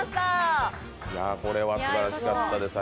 これはすばらしかったです。